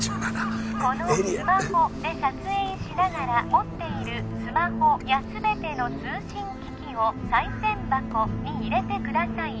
このスマホで撮影しながら持っているスマホや全ての通信機器を賽銭箱に入れてください